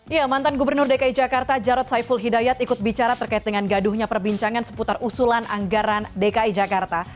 ya mantan gubernur dki jakarta jarod saiful hidayat ikut bicara terkait dengan gaduhnya perbincangan seputar usulan anggaran dki jakarta